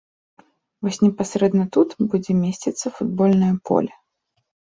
Вось непасрэдна тут будзе месціцца футбольнае поле.